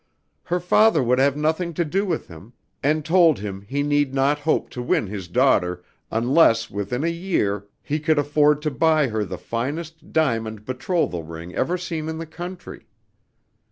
Her father would have nothing to do with him, and told him he need not hope to win his daughter unless within a year he could afford to buy her the finest diamond betrothal ring ever seen in the country.